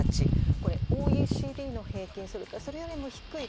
これ、ＯＥＣＤの平均やそれよりも低い。